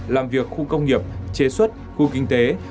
làm việc khu công nghiệp chế xuất khu kinh tế